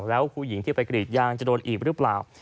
แล้วผู้หญิงที่ไปกรีดยางจะโดนอีกหรือเปล่า